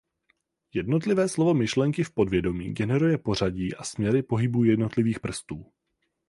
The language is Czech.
Jednotlivé slovo myšlenky v podvědomí generuje pořadí a směry pohybů jednotlivých prstů.